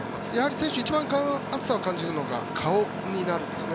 選手、一番暑さを感じるのが顔になるんですね。